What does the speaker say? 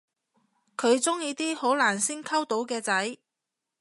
佢鍾意啲好難先溝到嘅仔